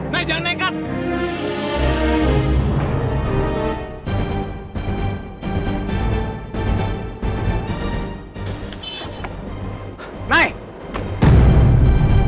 nay jangan naik kak